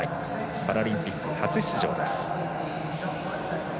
パラリンピック初出場。